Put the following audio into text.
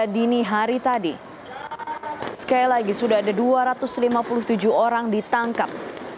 sekali lagi sudah ada dua ratus lima puluh tujuh orang ditangkap